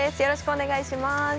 よろしくお願いします。